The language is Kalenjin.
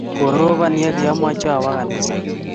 Koropon ye kiamache awo ganisa.